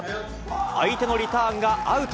相手のリターンがアウト。